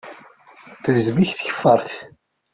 Telzem-ik tkeffart.